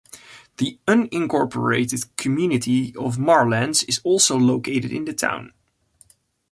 The unincorporated community of Marlands is also located in the town.